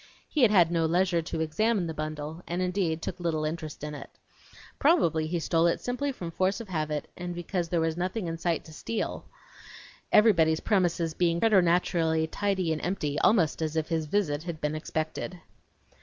He had had no leisure to examine the bundle, and indeed took little interest in it. Probably he stole it simply from force of habit, and because there was nothing else in sight to steal, everybody's premises being preternaturally tidy and empty, almost as if his visit had been expected!